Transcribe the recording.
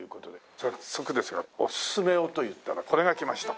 早速ですが「オススメを」と言ったらこれが来ました。